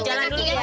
jalan dulu ya